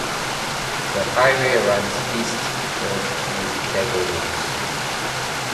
The highway runs east for to Dagger Woods.